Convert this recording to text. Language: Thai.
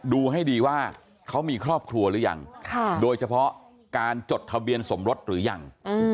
ดูให้ดีว่าเขามีครอบครัวหรือยังโดยเฉพาะการจดทะเบียนสมรสหรือยัง